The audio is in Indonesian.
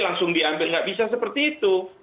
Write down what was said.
langsung diambil nggak bisa seperti itu